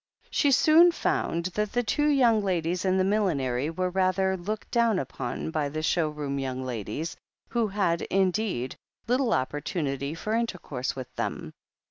She soon found that the two young ladies in the millinery were rather looked down upon by the show room young ladies, who had, indeed, little opportimity for intercourse with them.